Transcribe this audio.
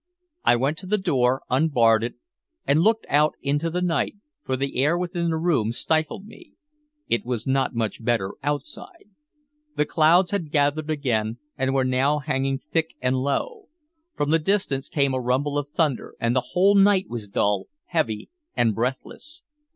I went to the door, unbarred it, and looked out into the night, for the air within the room stifled me. It was not much better outside. The clouds had gathered again, and were now hanging thick and low. From the distance came a rumble of thunder, and the whole night was dull, heavy, and breathless.